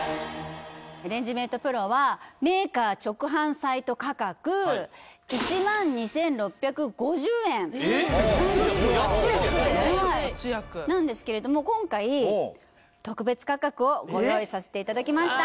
レンジメートプロはメーカー直販サイト価格１２６５０円もう安いですよ８役なんですけれども今回特別価格をご用意させていただきました